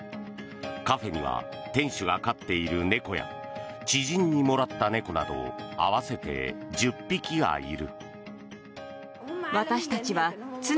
カフェには店主が飼っている猫や知人にもらった猫など合わせて１０匹がいる。